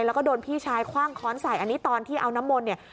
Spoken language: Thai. แล้วก็โดนพี่ชายคว่างค้อนใส่อันนี้ตอนที่เอาน้ำมนต์เนี่ย